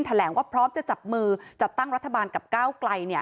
แถลงว่าพร้อมจะจับมือจัดตั้งรัฐบาลกับก้าวไกล